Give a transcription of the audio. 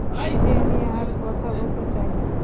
এ নিয়ে আর কথা বলতে চাই না।